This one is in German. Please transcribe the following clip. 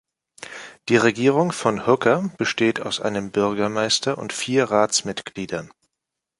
Die Regierung von Hooker besteht aus einem Bürgermeister und vier Ratsmitgliedern.